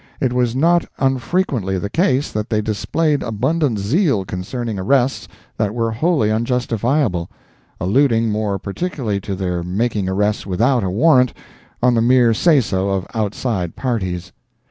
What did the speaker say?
It was not unfrequently the case that they displayed abundant zeal concerning arrests that were wholly unjustifiable, alluding more particularly to their making arrests without a warrant, on the mere say so of outside parties.